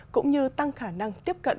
cũng như tăng khả năng tiếp cận